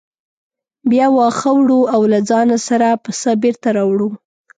بیا واښه وړو او له ځانه سره پسه بېرته راوړو.